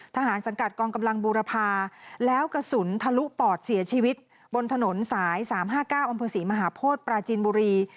สังกัดกองกำลังบูรพาแล้วกระสุนทะลุปอดเสียชีวิตบนถนนสาย๓๕๙อำเภอศรีมหาโพธิปราจินบุรี